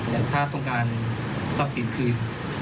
แต่ถ้าต้องการซับสินคลื่น